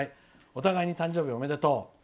お互いに誕生日おめでとう」。